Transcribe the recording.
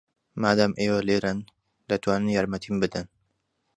مادام ئێوە لێرەن، دەتوانن یارمەتیم بدەن.